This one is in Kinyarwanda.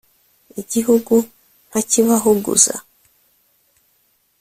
igihugu nkakibahuguza’